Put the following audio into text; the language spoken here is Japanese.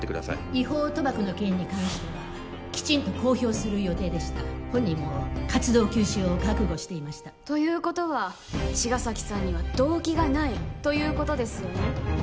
違法賭博の件に関してはきちんと公表する予定でした本人も活動休止を覚悟していましたということは茅ヶ崎さんには動機がないということですよね？